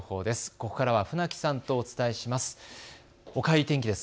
ここからは船木さんとお伝えします。